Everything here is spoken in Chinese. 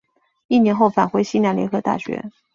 一年后返回西南联合大学。